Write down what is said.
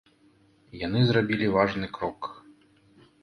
Яны зрабілі важны крок.